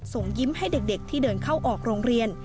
ส่งยิ้มให้เด็กที่เดินเข้าออกโรงเรียน